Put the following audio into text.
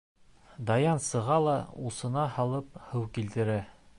Даян сыға ла усына һалып һыу килтерә.